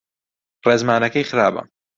ڕێزمانەکەی خراپە.